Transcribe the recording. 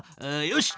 よし！